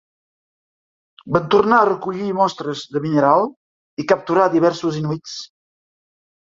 Van tornar a recollir mostres de mineral i capturar diversos inuits.